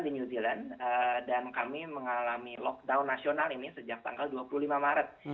di new zealand dan kami mengalami lockdown nasional ini sejak tanggal dua puluh lima maret